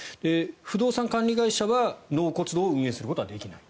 不動産管理会社は納骨堂を運営することはできない？